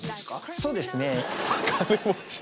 そうですね